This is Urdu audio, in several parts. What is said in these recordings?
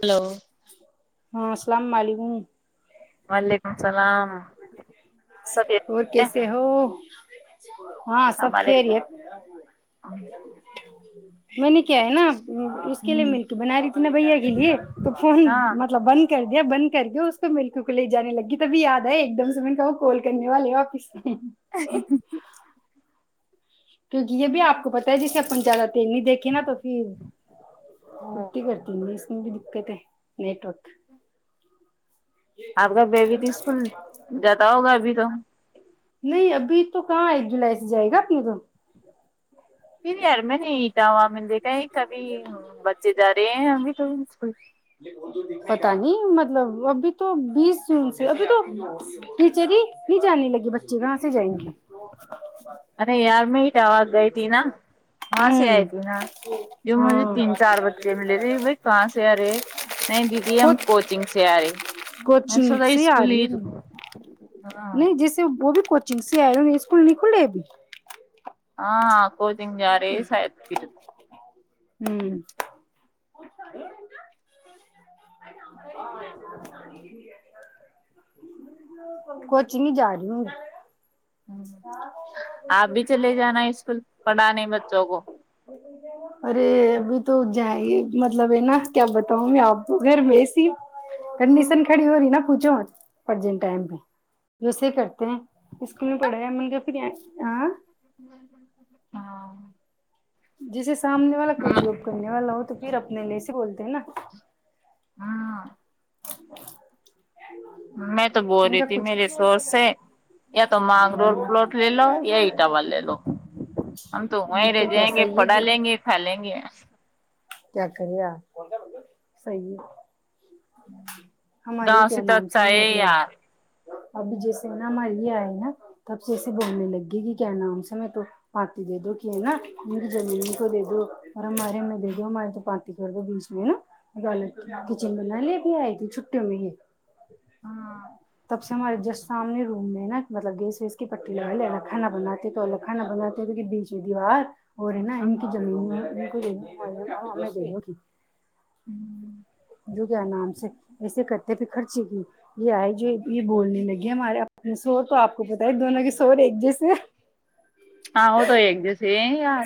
ہلو [inaudible] ہاں السلام علیکم [unintelligible] وعلیکم السلام [unintelligible] اور کیسے ہو [inaudible] چ [inaudible] ہاں سب ہمارے کھی رہیے [inaudible] میںین کیا ہے نا اس کے لیے مل کے بنا رہی تھی ن بھیا کے لیے تو فون ہاں مطلب بند کر دیا بند کر گ اس کو ملک کو ل جانے لگی تبھی یاد ہےئے ایک دم سے میں کہوں کول کے کرنے والے واپس [inaudible] کیک یہ بھی آپ کو پتا ہے جسے پنچات ت دیکھی نا تو پھر کٹی کرتی اس میں بھی نیٹ وک [inaudible] آپ کا بیبی تو اسکول جاتا ہوگا ابھی تو نہیں ابھی تو کہاں ہے جولائی سے جائے گا اپنی توم پھر یار میں نہیںٹاوا مے کہ کبھی بچے جا رہے ہیں ابھی تو اسک پتا نہیں مطلب ابھی تو بیس جون سے ابھی تو ٹیچر ہی نہیں جانے لگی بچ ج گاں سے جائیں گے ارے یار میں اٹاوات گئی تھی نا کہاں سے آئی ہوں تھی نا جو مجھے ہاں تین چار بچے ملے تھے بھائی کہاں سے آ رہے نہیں دیدی ہم خود کوچنگ سے آ رہے میں کوچنگ سوچا سے آ اسکول رہی ہی ہوں ہ جسی آ اسکول نکل رہے ابھی ہاں کوچن یار ساتیر ہوں کچ نہیں جا رہی ہ آپ بھی چلے جانا اسکول پڑھانے [inaudible] بچوں کو ارے ابھی تو جائے مطلب ہے نا کیا بتاؤں میں آپ گھر وسی کنڈیشن کھڑی ہو رہی نا پوچھو ارجینٹ ٹائم پہ جسے کرتے ہیں اسکول میں پڑھایا م پھر ہ [inaudible] جیسے سامنے والا کوئی جاب کرنے والا ہو تو پھر اپنے لیے سے بولتے ہیں نا ہاں میں تو بول ان رہی کا تھی کچھ میرے سور سے یا تو مانگ روول پلاٹ لے لو یا اٹاو لے لو ہم تو وہیں نہیں رہ تو جائیں کیسا گے ہی ہے پڑا کہ لیں گے کھا لیں گے کیا کرے آ سی ہے ہمارے گاؤں کیا سے تو نام اچھا سےحی ہے مطلب یار ابھی جیسے ہے نا ہمارے یہ آئے نا تب سےیسے بولنے لگی کہ کیا نام ہم سے میں تو پارٹی دے دو کہ ہے نا ان کی جمین کو دے دو اور ہمارے میں دے ہماراری تو پارٹی کر دو بیچ میں نا گول کچن بنا لے آئی تھی چھٹیوں میں ہی تب سے ہمارے جس سامنے روم میں ناطلب گیس ویس کی پٹی لگا لے الکھانا بناتے تو الکھھانا بناتے تو بیچ دیوار اور رہ نا انک چلو جی جک جو کیا نام سے ایسے کرتے پ خرچ کیوں یہ آئے جو یہ بولنے لگی ہمارےنے شور تو آپ کو پت ہے دونوں کے شور ایک جیسے ہاں وہ تو ایک جس یار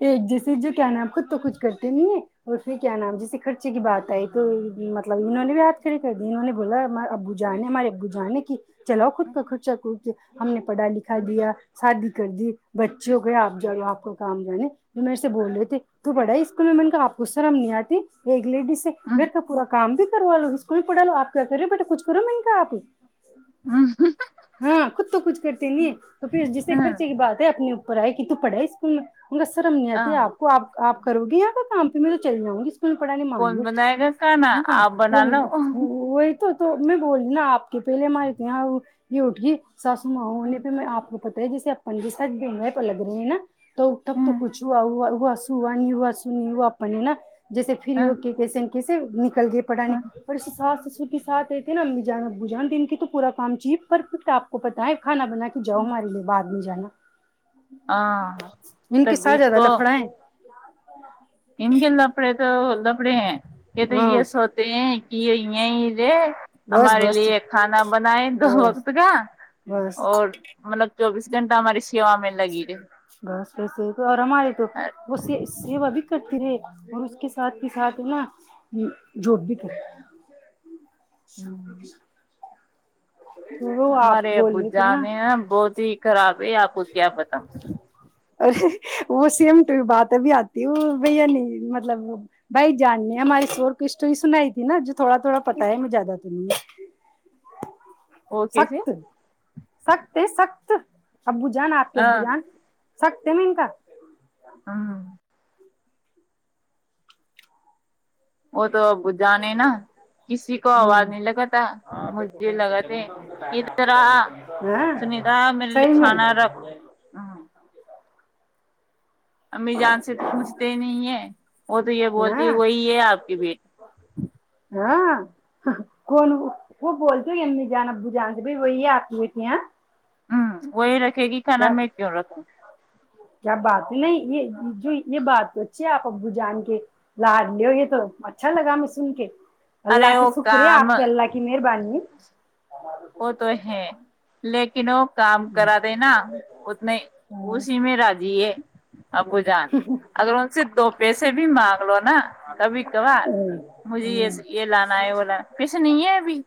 ایک جیسے جو کیا نام آپ خود تو کچھ کرتے نہیں ہے اور پھر کیا نام جیسے خرچے کی بات آئے تو مطلب انہوں نے بھی یاد کڑی کر دی انہوں بولا ابو جان نے ہمارے ابو جان کی چلاؤ خود کا کچا ک کے ہم نے پڑھا لکھا دیا شادی کر دی بچوں کو آپ جاؤ آپ کو کام جانے جو میرے سے بول رہے تھے تو پڑھائی اسکول میں م نے کہ آپ کو شرم نہیں آتی ایک لیڈی سے م تو پورا کام بھی کروا لو اسکول بھی پڑھا لو آپ کیا کریے بیٹا کچھ کرو مہنگا آپ ہاں خود تو کچھ کرتے نہیں تو پھر جسے خرچے کی بات ہے اپنے اپر پا ہے کیت تو پڑھا ہے اسکول ہوں گ سر ہم نہیں ہاں آتی ہے آپ کو آپ آپ کرو گی کام پہ میں تو چل جؤںی پڑھا نہیں مانگ لو کا نا ہاں ابناال وہ وہی تو میں بول رہ نا آپ کے پہلے ہمارے یہاں یہ اٹ گ ساسو مانے پہ میں آپ کو پتاہ ہے جس آپ پند سھ د پ لگ رہے ہیں نا تو تب تو کچھ آ ہو وسو آا نیوسو نیو اپنے نا جیسے پھرری وہوگ کیس ہیں کسسی چل گ پڑھے اور اس سات س کے سھ رہتے نا ابی جان ابو جان دن کے تو پورا کام چاہیے پرفیکٹ آپ کو پت ہے کھا بنا کے جاؤ ہمارے لیے بات ہم جانا ہاں ان کے ساتھ زیادہ لفڑا ہے نم گلا اپڑے تو کپڑے ہیں یہ تو ہاں یہ سوتے ہیں یہ ہویا ہییر بس ہمارے بس لیے کھانا بنائے دو بس وقت کا بس اور مطلب چوبیس گنٹ ہماری سی م میںل بس وسے تو اور ہمارے تو وہ سیوا بھی کرتے پرے اور اس کے ساتھ ہی ساتھ ہے نا جواب بھی کرے اچ [inaudible] مرے ابو رہے تھے نا جانے ن بہت ہی خراب ہے آپ کو کیا پتا اورے وہ سی بات ابھی آتی وہ بھیا نہیں مطلب بھائی جاننے ہماراری شور کو اسٹوری سنائی تھی نا جو تھوا تھوڑ پتا ہے مجھےیادہ تو [inaudible] وہ کیسے سخت سخت ہے سخت [inaudible] ابو جان آپ کے ابو جان [inaudible] سکتے مین کا [inaudible] ہاں [inaudible] وہ تو اب جانے نا کسی کو آواز ہوں نہیں لگا تھا مجھے لگا تھ ادھر ہاں سنیتا میرے لیے صحیح میں کھانا رکھ ہ امی جان سے تو پوچھتے ہی نہیں ہے وہ تو یہ بولتی ہاں وہی ہے آپ کی بیٹ ہاں کون وہ بولتے جان ا جانتے ب وہی آتی ہوئے تھیاں [unintelligible] ہوں وہ ر [inaudible] کھے گی کھانا میں کیوں رکھوں [inaudible] کیا بات ہے نہیں یہ جو یہ بات تو اچھی ہے آپ ابو جان کے لار لو یہ تو اچھا لگا ہمیں سن کے ارے اللہ کے وہ شکری کام آپ کے اللہ کی مہربانی ج [inaudible] وہ تو ہے لیکن کہنو [inaudible] کام کرا د نا اتنے ہمم اسی میں راضی ہے ابو جان اگر ان سے دو پیس سے بھی با [unintelligible] بو نا کبھی کبار مجھے یہ ہمم یہ لانا ہے وہ لا کھ نہیں ہے ابھی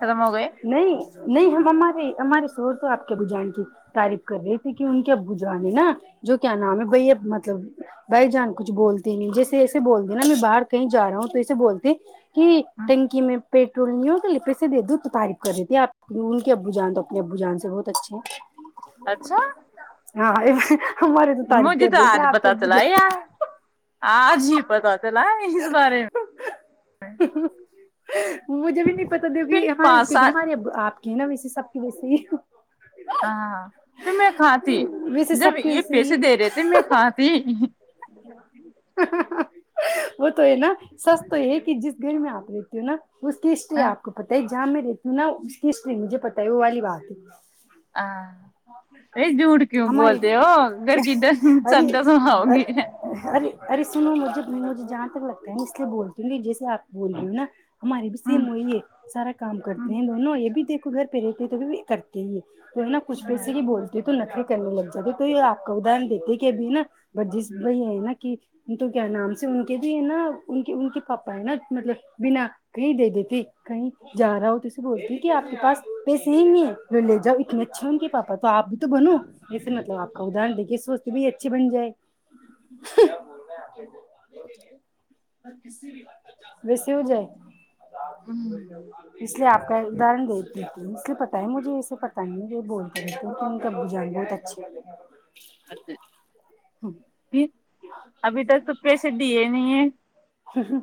ختم ہو گئے نہیں نہیں ہمارے ہمارے شور تو آپ ب جان کی تعریف کر رہی کہ ان کے ابو جان ہے نا جو کیا نام ہے بھ ا مطلب بھائی جان کچھ بولتے نہیں جیسے ایسے بول د نا میں باہر کہیں جا رہا ہوں تو ایسے بول کہ ٹنکی میں پیٹرول نہیں ہوگ لیے پیسے دو تو تعریف کر دیتی ہے آپ ان کے ابو جان تو اپنے ابو جان سے بہت اچھے ہیں اچھا ج مجھے تو آج پت چلا یار آج ہی پتا چلا اس بارے میں مجھے بھی نہیں پتا پھر دیک ہمارے پانچ کیونکہ سات ہمارے آپ کے ہیں نا ویسے سب کے س ہاں پ میں کھا ت ویسے جب سب کی یہ ویسے پیسے ہی دے رہے تھے میں کھا ت وہ تو ہے نا سس تو ہے کہ جس گھر میں آپ رہتی ہو نا اس کی ہسٹری آپ کو پت ہے جامع کیوں نا اس کیسری مجھے پتا ہے وہ والی بات ہے آاں نہیں جوٹ کیوں ہماری بولتے ہو گڑکیڈا ارے سمڈا سوؤ گی جھ مجھے جہاں تک لگتا ہے میں اس لیے بولتی ہوں گ جیے آپ بول رہی ہوں نا ہمارے بھی سیم وہی ہے سارا کام کرتے ہیں دونوں یہ بھی دیکھ گھر پہ رہتی ہے تو کرتے ہی تو ہے نا کچھ ک سے ہی بولتیوں تو نخرے کرنے لگ جاتے تو یہ آپ کا ادہر دیتے کہ اب نا ب جس بھائی یہ ہے نا کہ تو کیا نام سے ان کے جو ہے نا ان کے ان کے پاپا ہے نا مطلب بنا کہیں دے دیتے کہیں جا رہا ہو تو اسے بولتے کہ آپ کے پاس پیسے ہی نہیں ہے جو لے جاؤ ات اچے ہیں ان کے پاپ تو آپ بھی تو بنو ویسے مطلب آپ کا ادرن دیک کے سوچتے ب اچھی بن جائے بیسی جائے اس لیے آپ کا ادرن دورتی اس لیے پتا ہے مجھے ایسے پتا ہی نہیں یہ بولتےے ب جا بہت اچھی ل پھر ہ ابھی تک تو پیسے دیے نہیں ہوں ہ ہ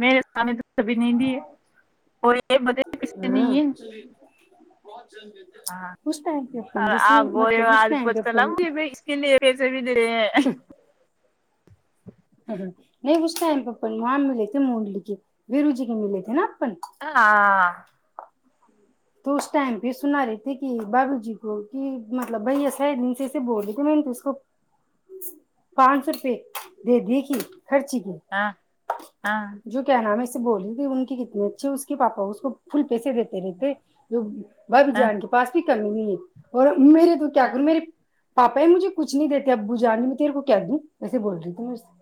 میرے سان سبھی نیند ہے اور یہ بد کس سے نہیں ہاں ہے ہاں اس ٹائم پہ اپن آ جیسے گو مطلب اس آد ٹائم پہ پجھ اپن اس کے لیے پیسے بھی دے رہے ہیں نہیں اس ٹائم پہ وہاں ملے تھے منڈلی کے بیرو جی کے ملے تھے نا اپن ہ آ تو اس ٹائم پہ سنا رہی تھے کہ بابو جی کو کہ مطلب بھائی ایسا دن سےے بول رہ تھے میں نے تو اس کو پانچ سو روپے دے دی کہ خرچی کییں ہاں ہاں جو کیا نام ہے بول رہ تھی ان کے کتنے اچھے اس کے پاپا اس کو فل پیسے دیتے رہےتےے جی ب بھی ہاں جان کے پس کرنی بھی ہے اور میرے تو کیا کروں میرے پاپا یہ مجھے کچھ نہیں دیتے اب ب جان میں تیرے کو کہہ دوں ویسے بول رہی ت میں سے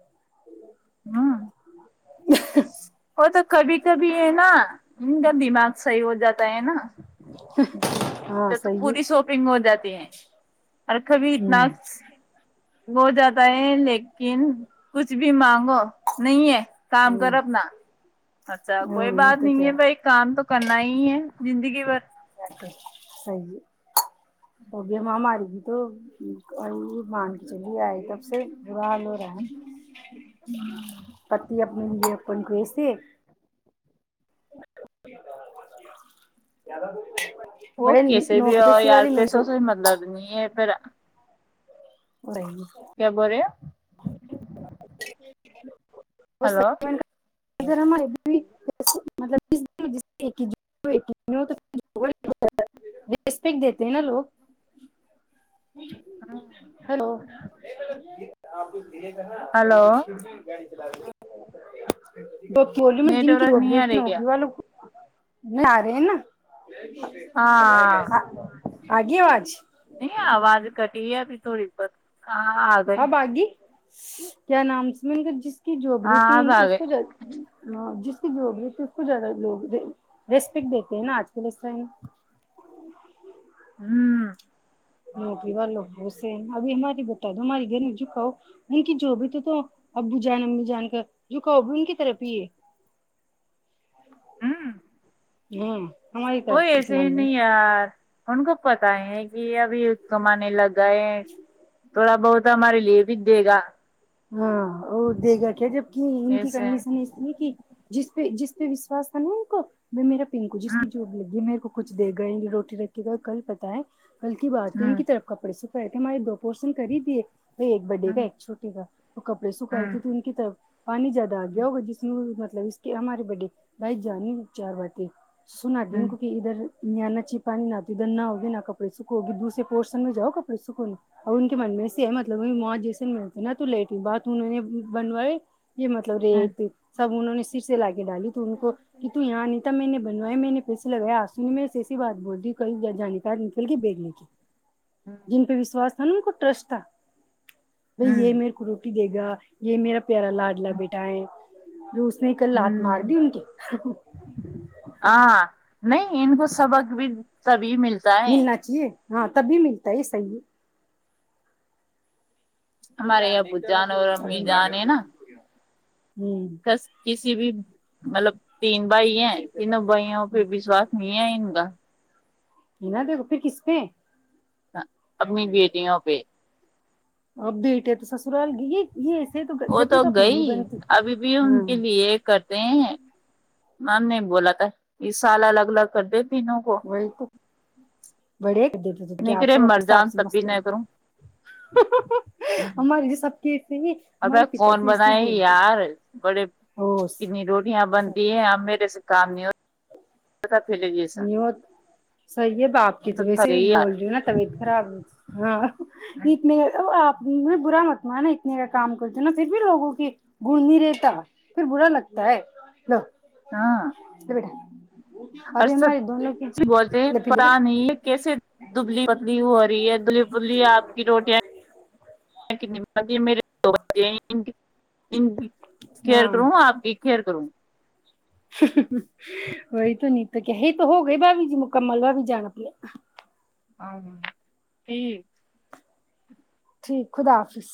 ہاں [inaudible] وہ تو کبھی کبھی ہے نا ان کا دماغ صحیح ہو جاتا ہے نا ہ [inaudible] ا تو پوری شاپنگ ہو جاتی ہے اور کبھی اتنا وہ جاتا ہے لیکن کچھ بھی مانگو نہیں ہے کام ہوں کرپ نا اچھا کوئی ہاں بات تو نہیں کیا ہے بھائی کام تو کرنا ہی ہے زندگی بھر سی ہوگ مہ ہماری بھی تو مان کے چلی ہے تب سے برا حال ہو رہا ہے پتی اپنے لیےس جی کیا وہ کیسے بھی اور یار مل پیسوں تو سے مطلب نہیں ہے پھر کیا بول رہے ہ [inaudible] ہلو اگر ہمارےل رپٹ دیتے ہیں نا لوگ ہیلو آپ د کہ نا وہ ہلو گاڑی [inaudible] جی ب بولی میں نیٹ جن کی ورک ب نہیں آ اتنی رہی کیا ہوگی وال لو میں آ رہی ہ نا ہاں آگے آج نہیں آواز کٹی ہے پ تھوڑی پت ہاں آگھے اب آگی کیا نام س میں ان کا جس [unintelligible] کی جو بریتی ہاں اب آ اس گئے کو جس [unintelligible] جو ہوگی تو اس کو زیادہ لوگ ریسپیکٹ دیتے ہیں نا آج کل اس ٹائم ہوں نوکری والو بہت سے ہیں ابھی ہماری بتا دو ہماراری گھر میں جکاؤ ان کی جو بھی تو تو ابو جان امی جان کر جکاؤ بھی ان کی طرف ہی ہے۔ ہوں وہئی ایسے ہی نہیں یار ان کو پتا ہے کہ ابھی کمانے لگ گئے تھوڑا بہت ہمارے لیے بھی دے گا ہاں اور دے گا کیا جب کہ ان کی ایسے کنڈیشن ایسی ہے کہ جس پہ جس پہ وشواس تھا نا ان کو میں میرا پنکو جس ہاں کی جوب لگی میرے کو کچھ دے گئے روٹی رکھیے گئے کل پت ہے ہلک بارتیین کی طرف کپڑے س مے د پوشن کر ہی دیے بھائی ایک بڈے کا ایک چھوٹے کا تو کپڑے سکھائے تھے تو ان کی طرف پانی زیادہ آ گیا ہوا جس میں مطلب اس کے ہمارے بے بھائی جانی چار بات سنا دوں کوک ادھر یہ نہ چپانی نہ تو ادھر نہ ہوگی نہ کپڑے سکھو گی دوسرے پورشن میں جاؤ کپڑے سکھو اور ان کے من میں سے ہے مطلب ماں جیسے ملتے نا تو لیٹ بات انہوں نے بنوائے یہ مطلب ریٹ سب انہوں نے صرف لا کے ڈالی تو ان کو کہ تو یہاں نہیں تھا میں نے بنویا م میں نے ویسے لگایا آسونی میں ایسی بات بول دی ہ کئی جانکاری نکل گ بیگنے کی جن پہ وشواس سن کو ٹرسٹا بھ یہ میرے روٹی دے گا یہ میرا پیارا لاڈلا بیٹا ہے رس اس نے کل لات مار دی ان کی نہیں ان کو سبق بھی بھی ملتا ہے ملنا چاہیے ہاں تبھی ملتا ہے صحیح ہمارے یہ بجان اور ہ میدان ہے نا ہے کس کسی بھی مطلب تین بھائی ہیں توں بھائیوں پہ وشواس نہیں ہے ان کا اننا د رپے کسطے ابمی بھیتی یہاں پہ اب بیٹے تو سسرال گ یہ یہ وہ جب بھی تو اپنی نہیں گئی بنتی ابھی بھی ان ہاں کے لیے کرتے ہیں مم نہیں بولاتا یہ سال الگ الگ کر د وہی تو بڑے کر دیتے کیا آپ نکرے سب مر اپنےساب جان سے تب بھی مست نہیں رہتے کروں ہماریے جو سب کہ اور کون بنائے یار بڑے او کتنی روٹیاں بنتی ہیں اب میرے سے کامی نہیں صحیح ہے باپ کی تو ویسے یار بول رہی ہو نا طبیعت خراب ہو ہاں جتنے آپ میں برا متم ہے نا اتنے کا کام کرتی ہوں نا پھر بھی لووں کی گڑ نہیں رہتا پھر برا لگتا ہے د بیٹا ار ابھی ہمارے دونوں کی بولتے لپی پتا لپٹ نہیں ہے کیسے دبلی پتلی ہو رہی ہے د بلی آپ کی روٹیاں میرے دو کر ہاں کروں آپ کی ک کرر وہی تو نہیں تو کیا یہ تو ہو گئے بھابی جی مکمل بھابی جان اپنے ا ٹھیک ٹھیک خدا حافظ